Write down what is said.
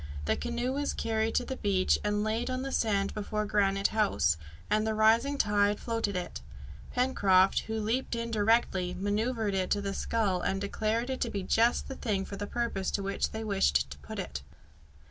The canoe was carried to the beach and laid on the sand before Granite House, and the rising tide floated it. Pencroft, who leapt in directly, manoeuvred it with the scull and declared it to be just the thing for the purpose to which they wished to put it.